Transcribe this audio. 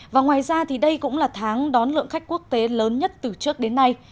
và ngoài ra thì đây cũng là tháng đón lượng khách quốc tế lớn nhất từ trước đến nay